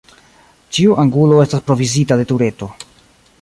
Ĉiu angulo estas provizita de tureto.